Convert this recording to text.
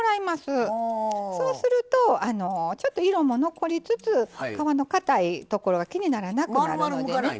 そうするとちょっと色も残りつつ皮のかたいところが気にならなくなるのでね。